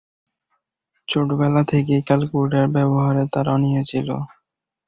ছোটবেলা থেকেই ক্যালকুলেটর ব্যবহারে তার অনীহা ছিল।